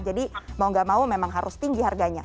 jadi mau nggak mau memang harus tinggi harganya